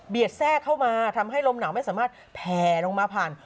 แทรกเข้ามาทำให้ลมหนาวไม่สามารถแผ่ลงมาผ่าน